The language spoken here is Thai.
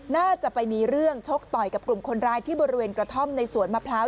น่าจะไปมีเรื่องชกต่อยกับกลุ่มคนร้ายที่บริเวณกระท่อมในสวนมะพร้าว